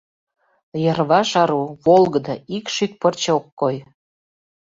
Йырваш ару, волгыдо, ик шӱк пырче ок кой.